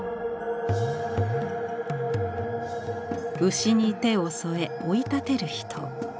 牛に手を添え追い立てる人。